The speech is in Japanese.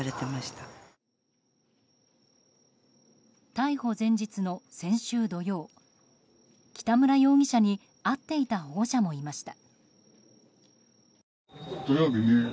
逮捕前日の先週土曜北村容疑者に会っていた保護者もいました。